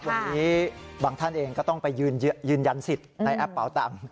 วันนี้บางท่านเองก็ต้องไปยืนยันสิทธิ์ในแอปเป่าตังค์